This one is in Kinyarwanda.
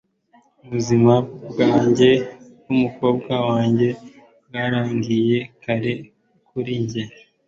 ubuzima bwanjye bwumukobwa wanjye bwarangiye kare kuri njye